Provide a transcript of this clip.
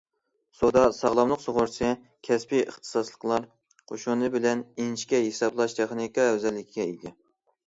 سودا ساغلاملىق سۇغۇرتىسى كەسپىي ئىختىساسلىقلار قوشۇنى بىلەن ئىنچىكە ھېسابلاش تېخنىكا ئەۋزەللىكىگە ئىگە.